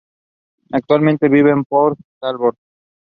Hiddleston reprised his role as Loki in the short.